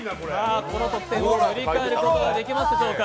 この得点を塗り替えることができるでしょうか。